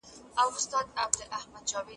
دا درويشت عدد دئ.